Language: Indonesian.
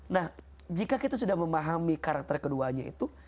nah jika kita sudah memahami karakter keduanya itu